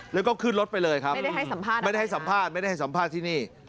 แล้วก็ขึ้นรถไปเลยครับไม่ได้ให้สัมภาษณ์ที่นี่